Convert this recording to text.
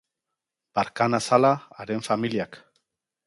Barka nazala haren familiak.